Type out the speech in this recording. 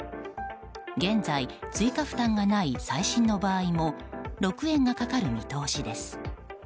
現在、追加負担がない再診の場合も６円がかかる見通しです。